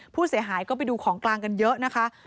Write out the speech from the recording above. ผู้เสียหายก็ไปดูของกลางกันเยอะนะคะ